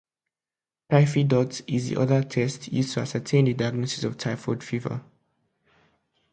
Typhidot is the other test used to ascertain the diagnosis of typhoid fever.